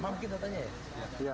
sama mungkin datanya ya